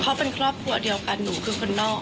เขาเป็นครอบครัวเดียวกันหนูคือคนนอก